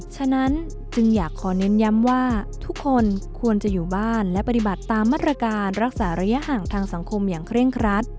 ฉะนั้นจึงอยากขอเน้นย้ำว่าทุกคนควรจะอยู่บ้านและปฏิบัติตามมาตรการรักษาระยะห่างทางสังคมอย่างเคร่งครัด